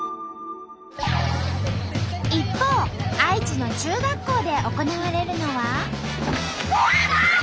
一方愛知の中学校で行われるのは。